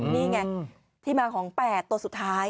นี่ไงที่มาของ๘ตัวสุดท้าย